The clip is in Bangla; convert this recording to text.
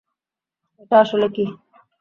এটা আসলে কী?